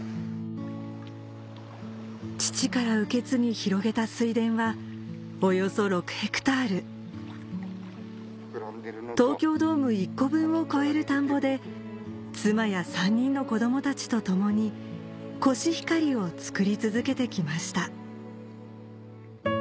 父から受け継ぎ広げた水田はおよそ６ヘクタール東京ドーム１個分を超える田んぼで妻や３人の子供たちと共にコシヒカリを作り続けて来ました